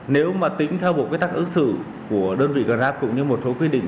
nếu mà tính theo một cái tắc ức sự của đơn vị grab cũng như một số quy định